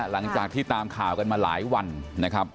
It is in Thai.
หลังจากที่ตามข่าวกันมาหลายวันนะครับ